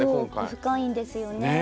奧深いんですよね。